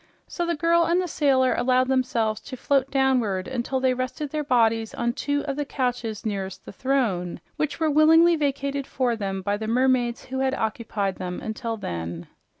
So the girl and the sailor allowed themselves to float downward until they rested their bodies on two of the couches nearest the throne, which were willingly vacated for them by the mermaids who occupied them until then.